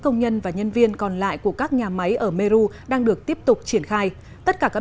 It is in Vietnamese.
công nhân và nhân viên còn lại của các nhà máy ở meru đang được tiếp tục triển khai tất cả các